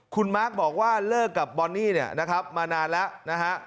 คุณมาร์คบอกว่าเลิกกับบอนนี่เนี่ยนะครับมานานแล้วนะฮะ